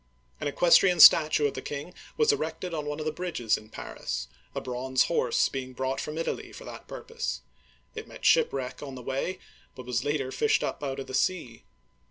An equestrian statue of the king was erected on one of the bridges in Paris, a bronze horse being brought from Italy for that purpose ; it met shipwreck on the way, but was later fished up out of the sea.